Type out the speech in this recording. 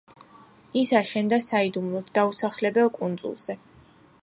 ის აშენდა საიდუმლოდ დაუსახლებელ კუნძულზე.